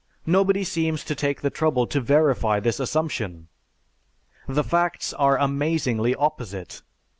Nobody seems to take the trouble to verify this assumption. The facts are amazingly opposite.